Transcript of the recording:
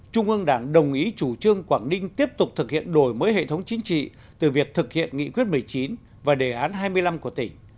trung ương đảng đồng ý chủ trương quảng ninh tiếp tục thực hiện đổi mới hệ thống chính trị từ việc thực hiện nghị quyết một mươi chín và đề án hai mươi năm của tỉnh